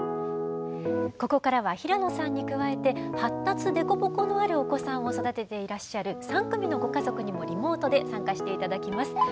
ここからは平野さんに加えて発達凸凹のあるお子さんを育てていらっしゃる３組のご家族にもリモートで参加して頂きます。